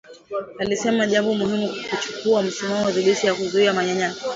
Alisema jambo muhimu ni kuchukua msimamo thabiti na kuzuia manyanyaso